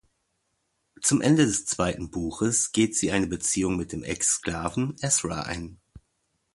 Zum Ende des zweiten Buches geht sie eine Beziehung mit dem Ex-Sklaven Esra ein.